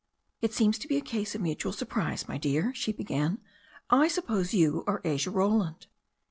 "It seems to be a case of mutual surprise, my dear," she began. "I suppose you are Asia Roland."